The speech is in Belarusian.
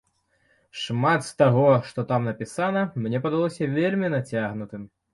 Шмат з таго, што там напісана, мне падалося вельмі нацягнутым.